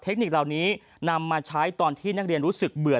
เทคนิคเหล่านี้นำมาใช้ตอนที่นักเรียนรู้สึกเบื่อ